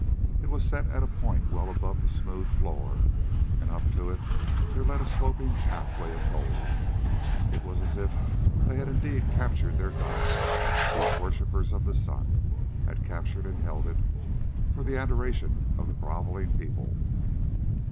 It was set at a point well above the smooth floor, and up to it there led a sloping pathway of gold. It was as if they had indeed captured their god, these worshipers of the sun, had captured and held it for the adoration of the grovelling people.